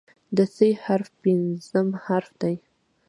د "ث" حرف پنځم حرف دی.